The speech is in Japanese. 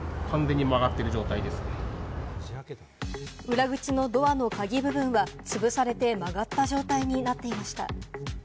裏口のドアの鍵部分は、つぶされて曲がった状態になっていました。